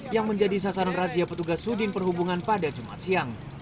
yang menjadi sasaran razia petugas sudin perhubungan pada jumat siang